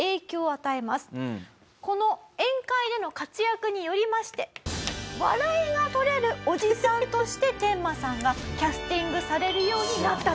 この宴会での活躍によりまして笑いが取れるおじさんとしてテンマさんがキャスティングされるようになったと。